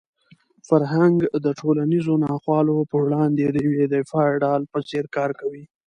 فرهنګ د ټولنیزو ناخوالو په وړاندې د یوې دفاعي ډال په څېر کار کوي.